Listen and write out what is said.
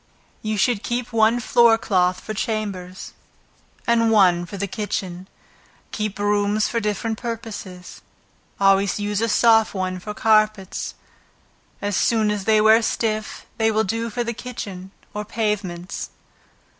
You should keep one floor cloth for chambers, and one for the kitchen. Keep brooms for different purposes; always use a soft one for carpets, as soon as they wear stiff, they will do for the kitchen, or pavements.